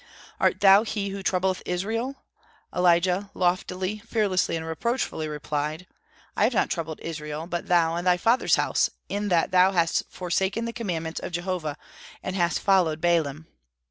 "Art thou he who troubleth Israel?" Elijah loftily, fearlessly, and reproachfully replied: "I have not troubled Israel, but thou and thy father's house, in that thou hast forsaken the commandments of Jehovah, and hast followed Baalim."